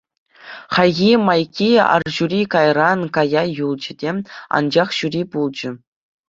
Хайхи-майхи арҫури кайран кая юлчӗ те, анчӑк ҫури пулчӗ.